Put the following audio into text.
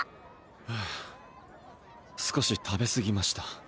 ふう少し食べすぎました